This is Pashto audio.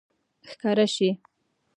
ښکاره شي